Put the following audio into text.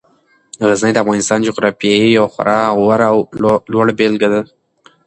غزني د افغانستان د جغرافیې یوه خورا غوره او لوړه بېلګه ده.